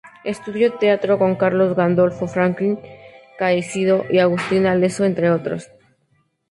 Estudió teatro con Carlos Gandolfo, Franklin Caicedo y Agustín Alezzo, entre otros.